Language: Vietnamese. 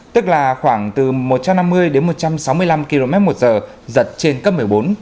tức là khoảng từ một trăm năm mươi đến một trăm sáu mươi năm km một giờ giật trên cấp một mươi bốn